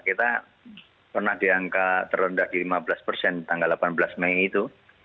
kita pernah diangka terlendah di lima belas persen tanggal delapan belas mei itu